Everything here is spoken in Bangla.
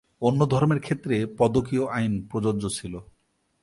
অন্য ধর্মের ক্ষেত্রে পদকীয় আইন প্রযোজ্য ছিল।